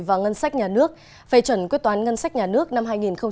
và ngân sách nhà nước phê chuẩn quyết toán ngân sách nhà nước năm hai nghìn một mươi bảy